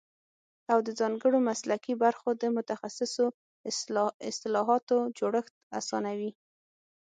او د ځانګړو مسلکي برخو د متخصصو اصطلاحاتو جوړښت اسانوي